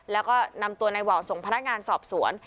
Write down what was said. แล้วก็นำตัวนายวาวส่งพนักงานสอบสวน